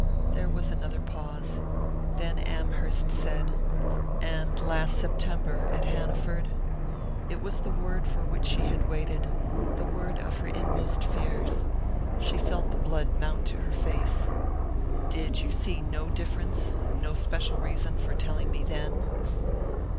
There was another pause. Then Amherst said: "And last September at Hanaford?" It was the word for which she had waited the word of her inmost fears. She felt the blood mount to her face. "Did you see no difference no special reason for telling me then?"